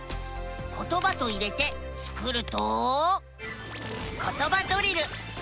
「ことば」と入れてスクると「ことばドリル」。